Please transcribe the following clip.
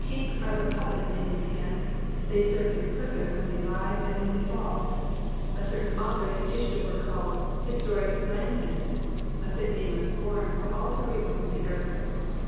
Kings are but puppets in his hand ; they serve his purpose when they rise and when they fall. A certain author has issued a work called " Historic Ninepins,'"" a fit name of scorn for all the irreat ones of the earth.